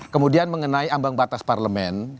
kemudian mengenai ambang batas parlemen